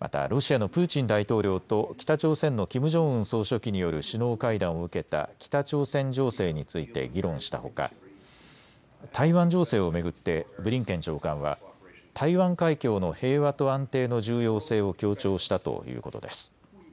またロシアのプーチン大統領と北朝鮮のキム・ジョンウン総書記による首脳会談を受けた北朝鮮情勢について議論したほか台湾情勢を巡って、ブリンケン長官は台湾海峡の平和と安定の重要性を強調したということです。